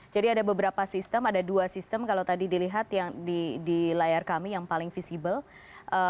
jadi ada beberapa sistem ada dua sistem kalau tadi dilihat yang di layar kami yang paling visible